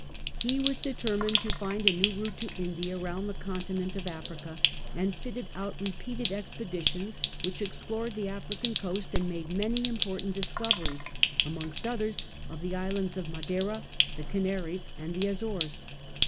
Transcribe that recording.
He was determined to find a new route to India round the continent of Africa, and fitted out repeated expeditions, which explored the African coast and made many important discoveries, amongst others of the Islands of Madeira, the Canaries and the Azores.